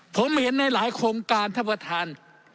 ผมเห็นในหลายโครงการท่านประธาน